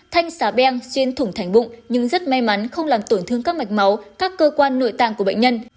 thanh xà beng xuyên thủng thành bụng nhưng rất may mắn không làm tổn thương các mạch máu các cơ quan nội tạng của bệnh nhân